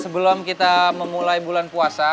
sebelum kita memulai bulan puasa